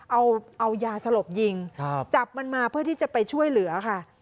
เอายาสลบยิงจับมันมาเพื่อที่จะไปช่วยเหลือค่ะ